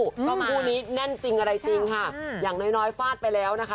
ก็คู่นี้แน่นจริงอะไรจริงค่ะอย่างน้อยน้อยฟาดไปแล้วนะคะ